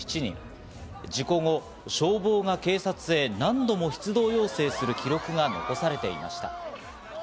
事故後、消防が警察へ何度も出動要請する記録が残されていました。